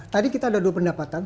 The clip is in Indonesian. tadi kita ada dua pendapatan